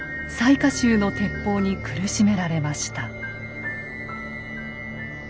雑賀衆の鉄砲に苦しめられました。